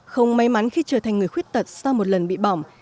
không may mắn khi trở thành người khuyết tật sau một lần bị bỏng